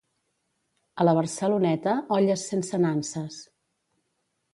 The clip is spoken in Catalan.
A la Barceloneta, olles sense nanses.